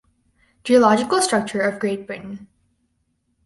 Geological Structure of Great Britain